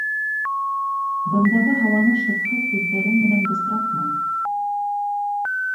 Бындағы һауаны шыҡһыҙ һүҙҙәрең менән бысратма!